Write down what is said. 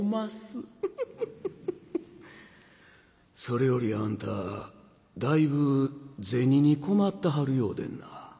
それよりあんただいぶ銭に困ってはるようでんな。